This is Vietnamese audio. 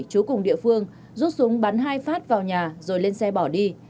chú cùng địa phương rút súng bắn hai phát vào nhà rồi lên xe bỏ đi